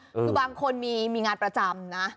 คือบางคนมีงานประจำนะ